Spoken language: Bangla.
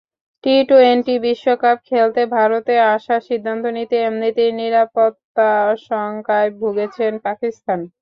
টি-টোয়েন্টি বিশ্বকাপ খেলতে ভারতে আসার সিদ্ধান্ত নিতে এমনিতেই নিরাপত্তা শঙ্কায় ভুগেছে পাকিস্তান।